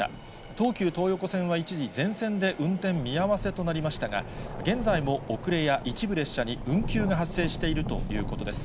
東急東横線は一時、全線で運転見合わせとなりましたが、現在も遅れや、一部列車に運休が発生しているということです。